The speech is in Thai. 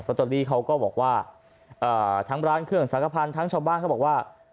ตอรี่เขาก็บอกว่าทั้งร้านเครื่องสังขพันธ์ทั้งชาวบ้านเขาบอกว่า